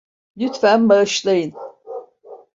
Lütfen bağışlayın.